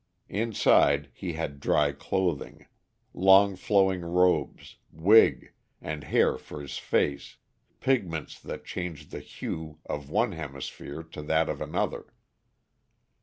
Inside he had dry clothing, long flowing robes, wig, and hair for his face, pigments that changed the hue of one hemisphere to that of another.